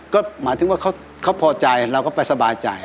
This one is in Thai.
ก็หมายถึงว่าเขาพอใจเราก็ไปสบายใจ